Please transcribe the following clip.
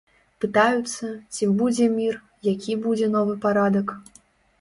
Пытаюцца, ці будзе мір, які будзе новы парадак.